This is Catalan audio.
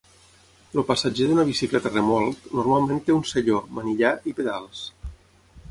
El passatger d'una bicicleta-remolc normalment té un selló, manillar, i pedals.